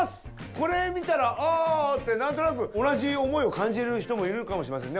これ見たらあって何となく同じ思いを感じる人もいるかもしれませんね。